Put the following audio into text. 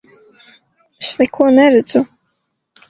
Es neko neredzu!